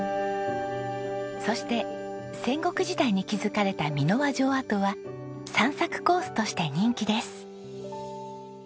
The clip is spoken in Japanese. そして戦国時代に築かれた箕輪城跡は散策コースとして人気です。